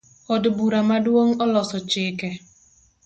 Od bura maduong oloso chike